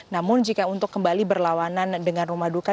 namun jika untuk kembali berlawanan dengan rumah duka